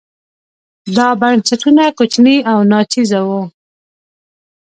دا بنسټونه کوچني او ناچیزه وو.